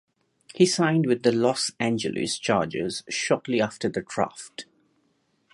He signed with the Los Angeles Chargers shortly after the draft.